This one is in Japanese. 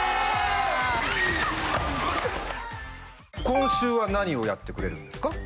今週は何をやってくれるんですか？